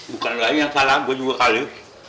bukan lo yang salah gue juga kali